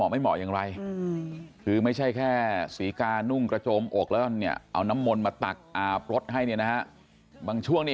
มือมันทับจะโดนเส้นผมโดนตัวศรีกา